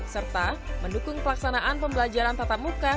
serta mendukung pelaksanaan pembelajaran tatap muka